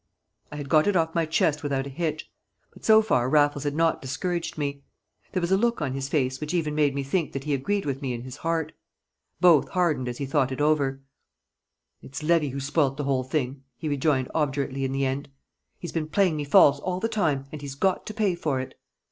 I had got it off my chest without a hitch. But so far Raffles had not discouraged me. There was a look on his face which even made me think that he agreed with me in his heart. Both hardened as he thought it over. "It's Levy who's spoilt the whole thing," he rejoined obdurately in the end. "He's been playing me false all the time, and he's got to pay for it."